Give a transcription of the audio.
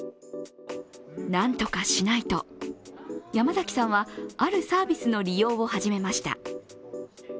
何とかしないと山崎さんはあるサービスの利用を始めました。